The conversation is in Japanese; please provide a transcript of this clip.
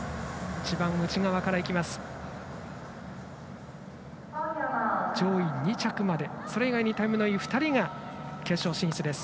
一番内側からいきます。